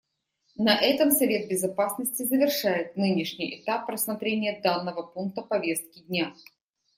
На этом Совет Безопасности завершает нынешний этап рассмотрения данного пункта повестки дня.